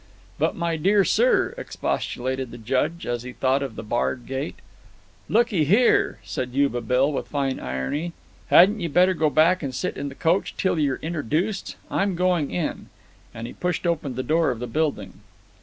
"But, my dear sir," expostulated the Judge as he thought of the barred gate. "Lookee here," said Yuba Bill, with fine irony, "hadn't you better go back and sit in the coach till yer introduced? I'm going in," and he pushed open the door of the building.